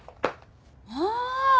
ああ！